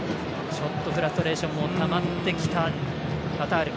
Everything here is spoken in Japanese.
ちょっとフラストレーションもたまってきたカタール。